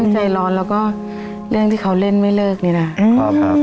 ใจร้อนแล้วก็เรื่องที่เขาเล่นไม่เลิกนี่นะครับ